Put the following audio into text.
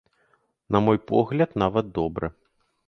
На мой погляд, нават добра.